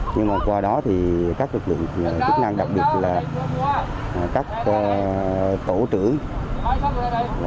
nhưng mà qua đó thì các lực lượng chức năng đặc biệt là các tổ trưởng